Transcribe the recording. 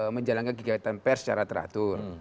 menjalankan kegiatan pers secara teratur